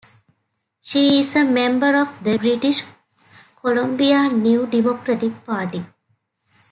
She is a member of the British Columbia New Democratic Party.